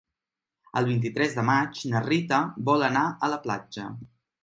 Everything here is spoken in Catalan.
El vint-i-tres de maig na Rita vol anar a la platja.